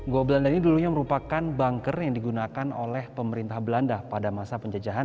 go belanda ini dulunya merupakan banker yang digunakan oleh pemerintah belanda pada masa penjajahan